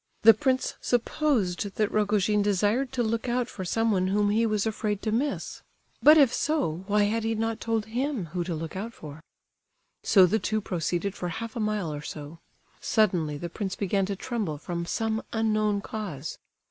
The prince supposed that Rogojin desired to look out for someone whom he was afraid to miss; but if so, why had he not told him whom to look out for? So the two proceeded for half a mile or so. Suddenly the prince began to tremble from some unknown cause.